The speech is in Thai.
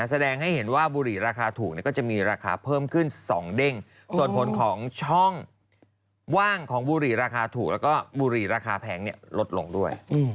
แสดงให้เห็นว่าบุหรี่ราคาถูกก็จะมีราคาเพิ่มขึ้น๒เด้งส่วนผลของช่องว่างของบุหรี่ราคาถูกแล้วก็บุหรี่ราคาแพงลดลงด้วย